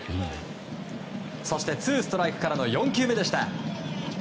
そして、ツーストライクからの４球目でした。